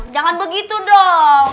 jangan begitu dong